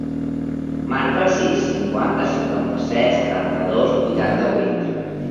Marca el sis, cinquanta, cinquanta-set, setanta-dos, vuitanta-vuit.